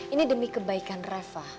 ini demi kebaikan reva